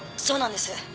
そうなんです。